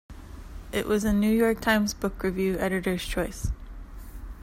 It was a "New York Times Book Review" editors choice.